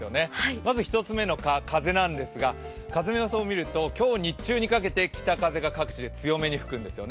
まず１つ目の「か」、風なんですが風の予想を見ると、今日日中にかけて北風が各地で強めに吹くんですよね。